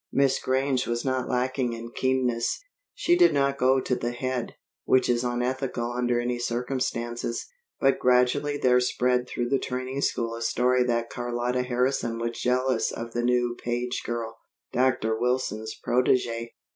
Miss Grange was not lacking in keenness. She did not go to the Head, which is unethical under any circumstances; but gradually there spread through the training school a story that Carlotta Harrison was jealous of the new Page girl, Dr. Wilson's protegee.